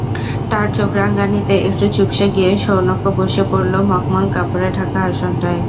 তার চোখরাঙানিতে একটু চুপসে গিয়ে শৌনকও বসে পড়ল মখমল কাপড়ে ঢাকা আসনটায়।